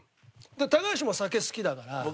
高橋も酒好きだから。